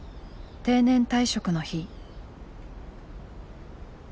定年退職の日。